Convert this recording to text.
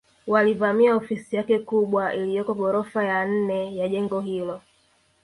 Walivamia ofisi yake kubwa iliyoko ghorofa ya nne ya jengo hilo